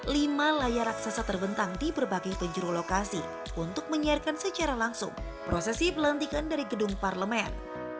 lima layar raksasa terbentang di berbagai penjuru lokasi untuk menyiarkan secara langsung prosesi pelantikan dari gedung parlemen